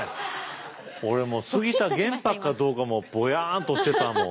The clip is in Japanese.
俺もう杉田玄白かどうかもボヤンとしてたもん。